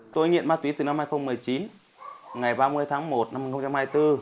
tôi nghiện ma túy từ năm hai nghìn một mươi chín ngày ba mươi tháng một năm hai nghìn hai mươi bốn